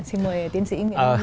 xin mời tiến sĩ nguyễn đức nguyên